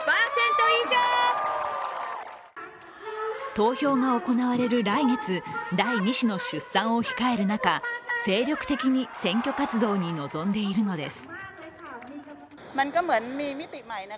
投票が行われる来月、第２子の出産を控える中精力的に選挙活動に臨んでいるのです。